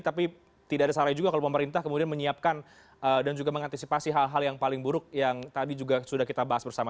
tapi tidak ada salahnya juga kalau pemerintah kemudian menyiapkan dan juga mengantisipasi hal hal yang paling buruk yang tadi juga sudah kita bahas bersama